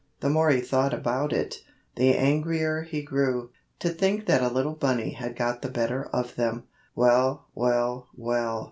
The more he thought about it, the angrier he grew. To think that a little bunny had got the better of them! Well, well, well!